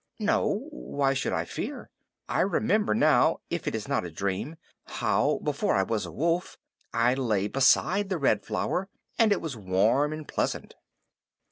"No. Why should I fear? I remember now if it is not a dream how, before I was a Wolf, I lay beside the Red Flower, and it was warm and pleasant."